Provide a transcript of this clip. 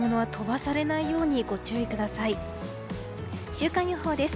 週間予報です。